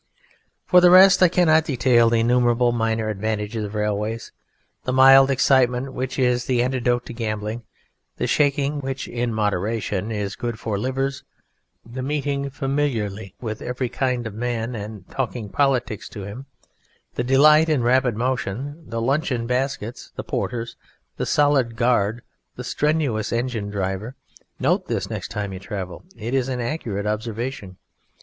For the rest I cannot detail the innumerable minor advantages of railways; the mild excitement which is an antidote to gambling; the shaking which (in moderation) is good for livers; the meeting familiarly with every kind of man and talking politics to him; the delight in rapid motion; the luncheon baskets; the porters; the solid guard; the strenuous engine driver (note this next time you travel it is an accurate observation).